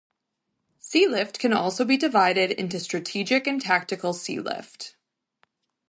Sealift can also be divided into strategic and tactical sealift.